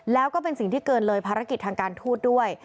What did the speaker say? แล้วก็เป็นสิ่งที่เกินเลยภารกิจทางการทูตด้วย